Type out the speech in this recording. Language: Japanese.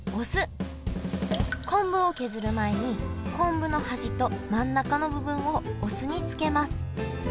昆布を削る前に昆布の端と真ん中の部分をお酢に漬けます。